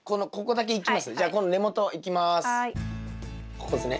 ここですね。